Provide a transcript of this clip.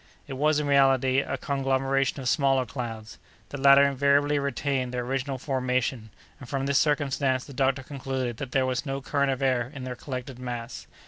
It was, in reality, a conglomeration of smaller clouds. The latter invariably retained their original formation, and from this circumstance the doctor concluded that there was no current of air in their collected mass.